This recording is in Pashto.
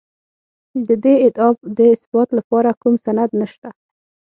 د دې ادعا د اثبات لپاره کوم سند نشته